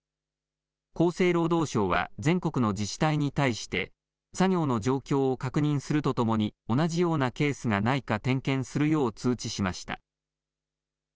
厚生労働省は全国の自治体に対して作業の状況を確認するとともに同じようなケースがないか点検するよう通知しました。